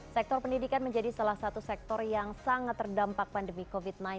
sektor pendidikan menjadi salah satu sektor yang sangat terdampak pandemi covid sembilan belas